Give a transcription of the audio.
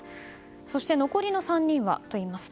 そして残りの３人はといいますと